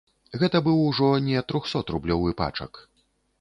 Гэта быў ужо не трохсотрублёвы пачак.